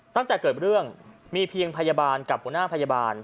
ตั้งแต่เกิดเรื่องมีเพียงพยาบาลกับหัวหน้าพยาบาล